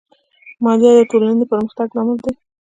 مالیه د ټولنې د پرمختګ لامل دی.